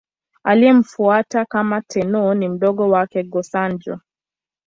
Aliyemfuata kama Tenno ni mdogo wake, Go-Sanjo.